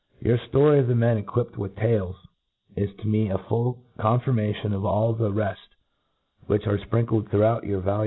Your ftory of the men equipped with tails is to me a full confirmation of all the refl which are fprinkkd throughout your valua